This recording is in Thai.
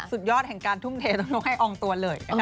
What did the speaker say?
สุดยอดแห่งการทุ่มเทต้องนกให้อองตัวเลยนะคะ